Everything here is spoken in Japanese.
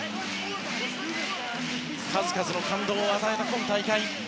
数々の感動を与えた今大会。